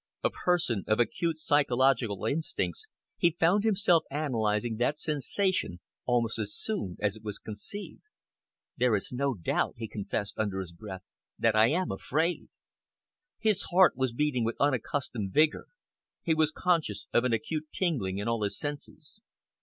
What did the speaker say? A person of acute psychological instincts, he found himself analysing that sensation almost as soon as it was conceived. "There is no doubt," he confessed under his breath, "that I am afraid!" His heart was beating with unaccustomed vigour; he was conscious of an acute tingling in all his senses.